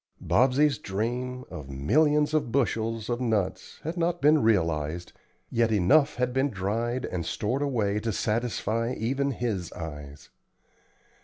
Bobsey's dream of "millions of bushels" of nuts had not been realized, yet enough had been dried and stored away to satisfy even his eyes.